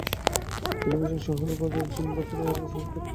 তিনি বেজিং শহরে পাদুন জিন বৌদ্ধবিহার স্থাপন করেন।